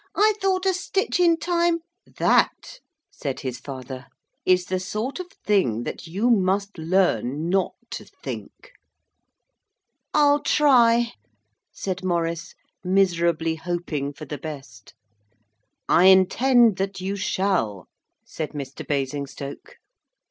'I thought a stitch in time ' 'That,' said his father, 'is the sort of thing that you must learn not to think.' 'I'll try,' said Maurice, miserably hoping for the best. 'I intend that you shall,' said Mr. Basingstoke.